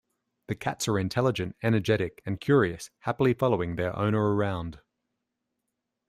The cats are intelligent, energetic, and curious, happily following their owner around.